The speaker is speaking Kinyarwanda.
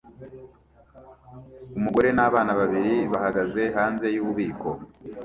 Umugore n'abana babiri bahagaze hanze yububiko